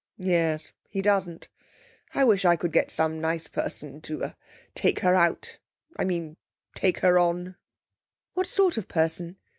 'Yes. He doesn't. I wish I could get some nice person to er take her out. I mean, take her on.' 'What sort of person?